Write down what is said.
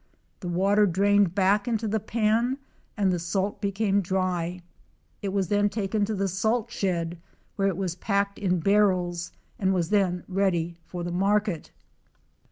The water drained back into the pan and the salt became dry It was then taken to the salt shed, where it was packed in barrels, and was then ready for the market.